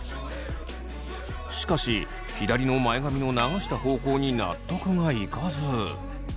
しかし左の前髪の流した方向に納得がいかず。